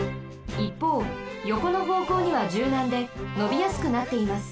いっぽうよこのほうこうにはじゅうなんでのびやすくなっています。